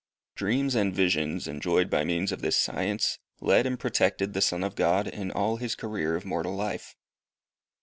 Dreams and visions, enjoyed by means of this science, led and protected the Son of God in all his career of mortal life.